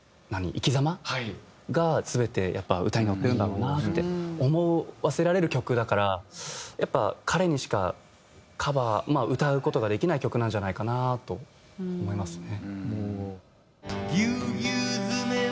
生き様が全てやっぱ歌に乗ってるんだろうなって思わせられる曲だからやっぱ彼にしかカバー歌う事ができない曲なんじゃないかなと思いますね。